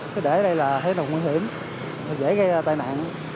cứ để đây là thấy là nguy hiểm dễ gây tai nạn